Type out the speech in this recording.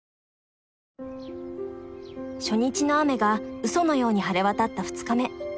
初日の雨がうそのように晴れ渡った２日目。